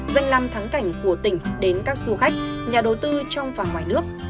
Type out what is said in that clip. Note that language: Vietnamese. dành năm thắng cảnh của tỉnh đến các du khách nhà đầu tư trong và ngoài nước